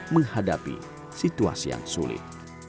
menghadapi situasi yang sulit